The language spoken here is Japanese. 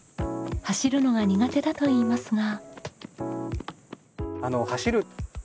走るのが苦手だといいますが。